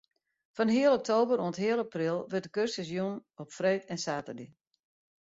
Fan heal oktober oant heal april wurdt de kursus jûn op freed en saterdei.